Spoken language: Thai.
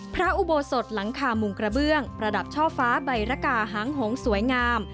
พระอุโบสถหลังคามุงกระเบื้องประดับช่อฟ้าใบระกาหางหงสวยงาม